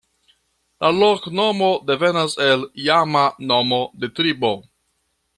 La loknomo devenas el iama nomo de tribo.